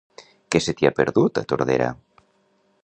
Què se t'hi ha perdut, a Tordera?